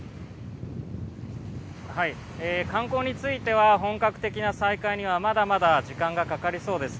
観光については本格的な再開には時間がかかりそうです。